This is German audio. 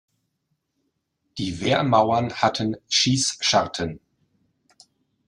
Die Wehrmauern hatten Schießscharten.